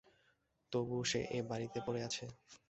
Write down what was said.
তবু সে এ বাড়িতে পড়ে আছে?